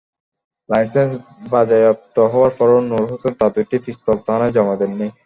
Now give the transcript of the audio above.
Licence বাজেয়াপ্ত হওয়ার পরও নূর হোসেন তাঁর দুটি পিস্তল থানায় জমা দেননি।